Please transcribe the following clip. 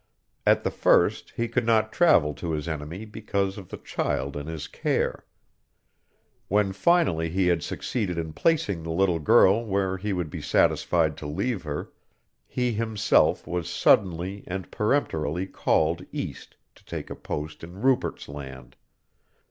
At the first he could not travel to his enemy because of the child in his care; when finally he had succeeded in placing the little girl where he would be satisfied to leave her, he himself was suddenly and peremptorily called east to take a post in Rupert's Land.